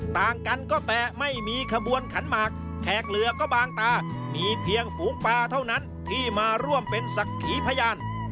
ต่างกันก็แต่ไม่มีขบวนขันหมากแขกเหลือก็บางตามีเพียงฝูงปลาเท่านั้นที่มาร่วมเป็นศักดิ์ขีพยาน